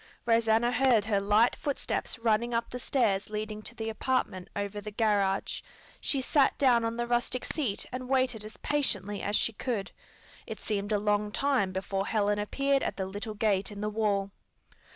Rosanna heard her light footsteps running up the stairs leading to the apartment over the garage. She sat down on the rustic seat and waited as patiently as she could. It seemed a long time before Helen appeared at the little gate in the wall.